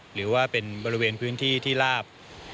หรือว่าเป็นบริเวณพื้นที่ที่ลาบ